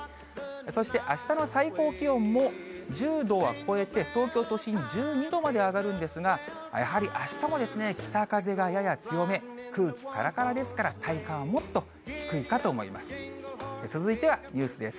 そしてあしたの最高気温も１０度は超えて、東京都心、１２度まで上がるんですが、やはりあしたも北風がやや強め、空気からからですから、体感はもっと低いかと思います。